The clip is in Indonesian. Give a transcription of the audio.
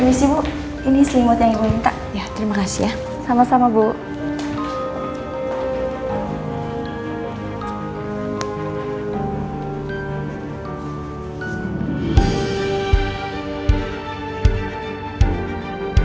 permisi bu ini selimut yang gue minta